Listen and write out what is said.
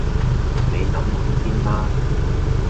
你諗諗先啦